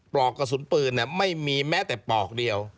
ปลอกกระสุนปืนไม่มีแม้แต่ปลอกเดียว